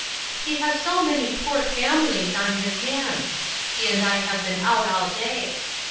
"He has so many poor families on his hands; he and I have been out all day.